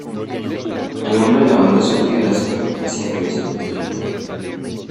El nombre de la banda surge de la circunstancia que los identifica.